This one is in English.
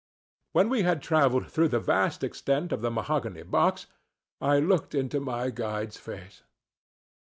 When we had travelled through the vast extent of the mahogany box, I looked into my guide's face.